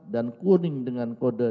dan kuning dengan kode